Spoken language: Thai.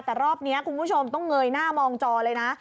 แต่รอบนี้คุณผู้ชมต้องเงยหน้ามองจอเลยนะ